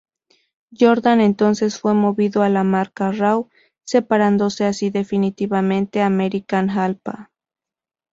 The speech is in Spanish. Jordan entonces fue movido a la marca Raw, separándose así definitivamente American Alpha.